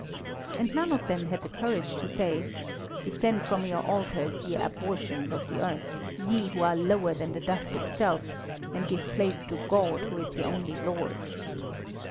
And none of them had the courage to say: "Descend from your altars, ye abortions of the earth, ye who are lower than the dust itself, and give place to God, who is the only Lord."